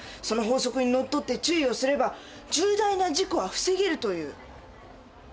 その法則にのっとって注意をすれば重大な事故は防げるという。